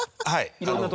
はい。